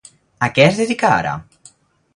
A què es dedica ara?